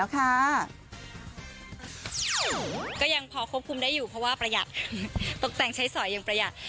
ก็ยังพอควบคุมได้อยู่เพราะว่าประหยัดตกแต่งใช้สอยอย่างประหยัด